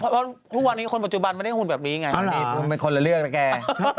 เพราะว่าทุกวันนี้คนปัจจุบันไม่ได้หุ่นแบบนี้ไงอ๋อเหรอหุ่นเป็นคนละเลือกนะแก